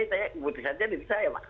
saya kebutuhan jadi saya